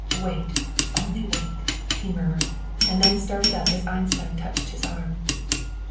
"Wait, only wait," he murmured, and then started up as Einstein touched his arm.